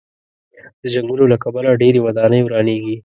د جنګونو له کبله ډېرې ودانۍ ورانېږي.